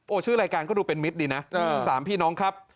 ชื่อรายการก็ดูเป็นมิตรดีนะสามพี่น้องครับ